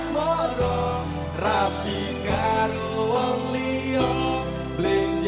garo sumpah janjimu